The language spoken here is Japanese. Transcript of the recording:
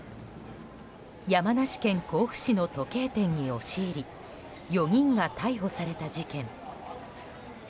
山梨県甲府市の時計店に押し入り４人が逮捕された事件。